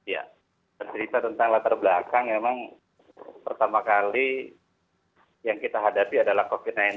ya cerita tentang latar belakang memang pertama kali yang kita hadapi adalah covid sembilan belas